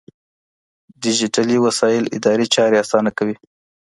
ډيجيټلي وسايل اداري چارې آسانه کوي.